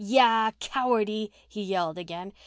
"Yah! Cowardy!" he yelled gain.